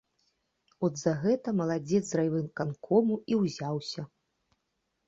От за гэта маладзец з райвыканкому і ўзяўся.